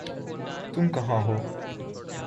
تم کہاں ہو؟